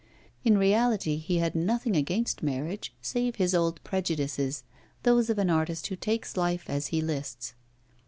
In reality, he had nothing against marriage save his old prejudices, those of an artist who takes life as he lists.